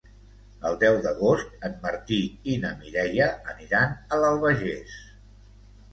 El deu d'agost en Martí i na Mireia aniran a l'Albagés.